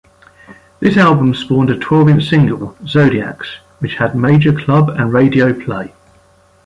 This album spawned a twelve-inch single, "Zodiacs," which had major club and radio play.